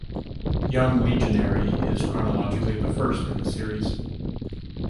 "Young Legionary" is chronologically the first in the series.